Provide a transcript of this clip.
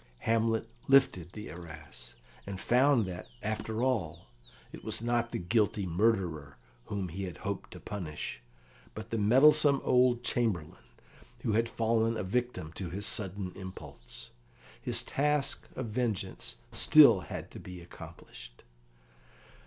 Hamlet lifted the arras, and found that, after all, it was not the guilty murderer whom he had hoped to punish, but the meddlesome old Chamberlain, who had fallen a victim to his sudden impulse. His task of vengeance had still to be accomplished.